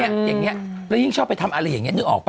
อย่างนี้แล้วยิ่งชอบไปทำอะไรอย่างนี้นึกออกป่